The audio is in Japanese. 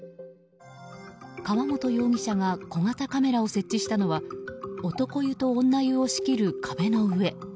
川本容疑者が小型カメラを設置したのは男湯と女湯を仕切る壁の上。